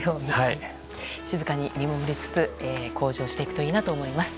静かに見守りつつ向上していくといいなと思います。